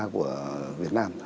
của việt nam